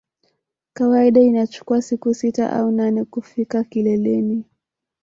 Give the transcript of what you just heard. Kawaida inachukua siku sita au nane kufika kileleni